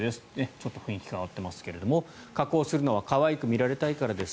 ちょっと雰囲気変わっていますが加工するのは可愛く見られたいからです。